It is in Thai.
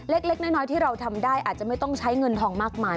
เล็กน้อยที่เราทำได้อาจจะไม่ต้องใช้เงินทองมากมาย